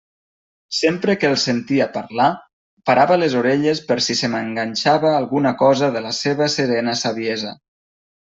Sempre que el sentia parlar parava les orelles per si se m'enganxava alguna cosa de la seva serena saviesa.